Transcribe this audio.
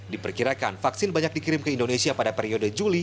diperkirakan vaksin banyak dikirim ke indonesia pada periode juli